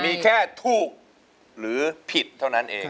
มีแค่ถูกหรือผิดเท่านั้นเอง